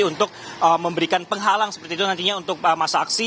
untuk memberikan penghalang seperti itu nantinya untuk masa aksi